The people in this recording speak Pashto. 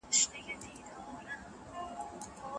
دا ممکنه ده چې د ټولنیزو پدیدو د دقت لپاره هڅه وسي.